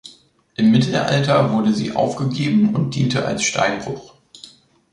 Im Mittelalter wurde sie aufgegeben und diente als Steinbruch.